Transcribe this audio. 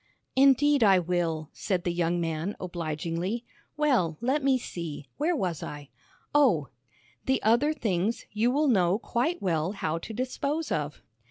"Indeed, I will," said the young man, obligingly. "Well, let me see, where was I? Oh, 'The other things you will know quite well how to dispose of.